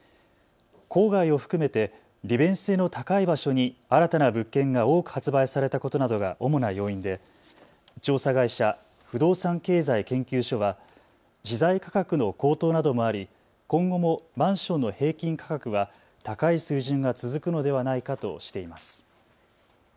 郊外を含めて利便性の高い場所に新たな物件が多く発売されたことなどが主な要因で調査会社、不動産経済研究所は資材価格の高騰などもあり今後もマンションの平均価格は高い水準が続くのではないかとしています。